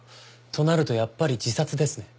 となるとやっぱり自殺ですね？